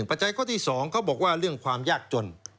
จัยข้อที่๒เขาบอกว่าเรื่องความยากจน